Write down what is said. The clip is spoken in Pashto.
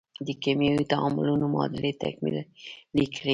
د کیمیاوي تعاملونو معادلې تکمیلې کړئ.